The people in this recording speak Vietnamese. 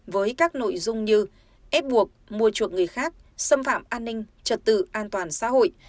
với các nội dung như ép buộc mua chuộc người khác xâm phạm an ninh trật tự an toàn xã hội